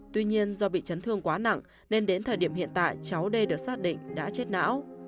tuy nhiên do bị chấn thương quá nặng nên đến thời điểm hiện tại cháu d được xác định đã chết não